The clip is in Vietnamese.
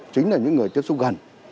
chính là những người tiếp xúc gần